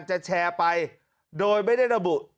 จะแชร์ไปโดยไม่ได้ระบุ